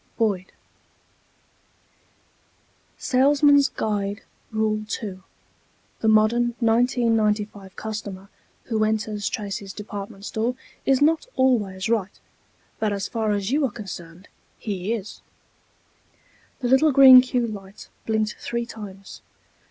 Boyd _SALESMAN'S GUIDE, RULE 2: The modern 1995 customer who enters Tracy's Department Store is not always right, but as far as you are concerned, he is._ The little green cue light blinked three times.